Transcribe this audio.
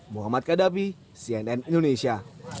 muhammad kadabi cnn indonesia